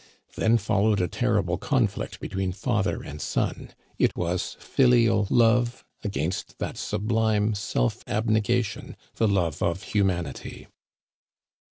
Then followed a terri ble conflict between father and son. It was filial love against that sublime self abnegation, the love of hu manity.